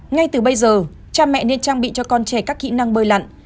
ngay từ bây giờ cha mẹ nên trang bị cho con trẻ các kỹ năng bơi lặn